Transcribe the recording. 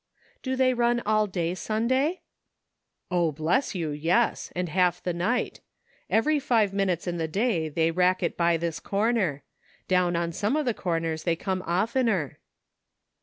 "Do they run all day Sunday?" "O, bless you, yes! and half the night. Every five minutes in the day they racket by this corner. Down on some of the corners they come oftener."